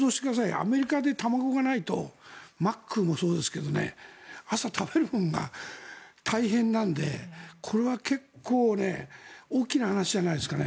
アメリカで卵がないとマックもそうですけど朝、食べるものが大変なんでこれは結構大きな話じゃないですかね。